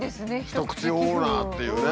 一口オーナーっていうね。